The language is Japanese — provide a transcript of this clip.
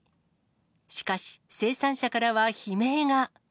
しかし、生産者からは悲鳴が。